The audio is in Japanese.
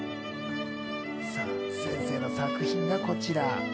さぁ、先生の作品がこちら。